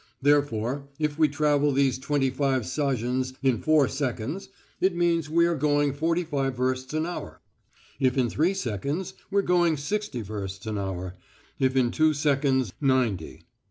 Therefore, if we travel these twenty five sazhens in four seconds, it means we are going forty five versts an hour; if in three seconds, we're going sixty versts an hour; if in two seconds, ninety.